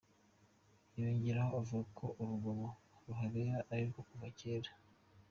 Yongeraho avuga ko urugomo ruhabera ari urwo kuva kera.